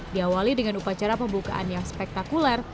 diawali dengan upacara pembukaan yang spektakuler